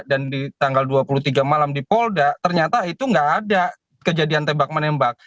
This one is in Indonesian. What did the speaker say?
dan di tanggal dua puluh tiga malam di polda ternyata itu gak ada kejadian tebak menembak